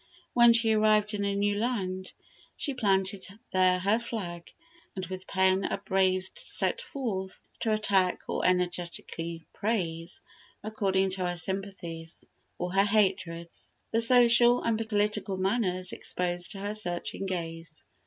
When she arrived in a new land she planted there her flag, and with pen upraised set forth to attack or energetically praise, according to her sympathies or her hatreds, the social and political manners exposed to her searching gaze.